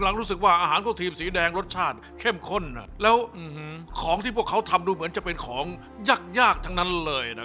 ข้าวห่อใบไผ่ตอนนี้ไปถึงไหนแล้วบอกหน่อยสิ